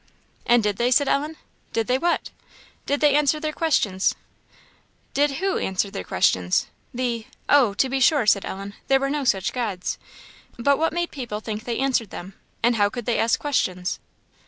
"And did they?" said Ellen. "Did they what?" "Did they answer their questions?" "Did who answer their questions?" "The oh, to be sure," said Ellen, "there were no such gods. But what made people think they answered them? and how could they ask questions?"